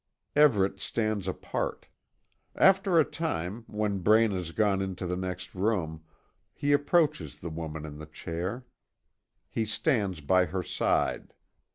Everet stands apart. After a time, when Braine has gone into the next room, he approaches the woman in the chair. He stands by her side.